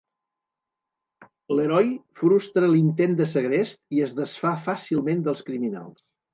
Leroy frustra l'intent de segrest i es desfà fàcilment dels criminals.